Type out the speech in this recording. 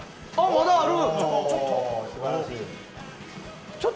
まだある！